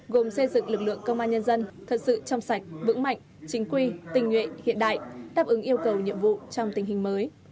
gồm xây dựng lực lượng công an nhân dân thật sự trong sạch vững mạnh chính quy tình nguyện hiện đại đáp ứng yêu cầu nhiệm vụ trong tình hình mới